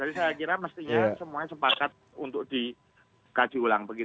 jadi saya kira mestinya semuanya sepakat untuk dikaji ulang begitu